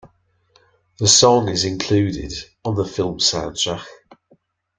The song is included on the film soundtrack.